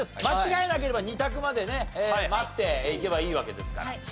間違えなければ２択までね待っていけばいいわけですから。